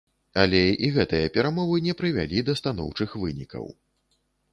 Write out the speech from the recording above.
Але і гэтыя перамовы не прывялі да станоўчых вынікаў.